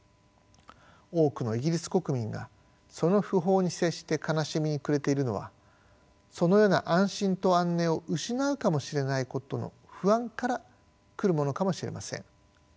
多くのイギリス国民がその訃報に接して悲しみに暮れているのはそのような安心と安寧を失うかもしれないことの不安から来るものかもしれません。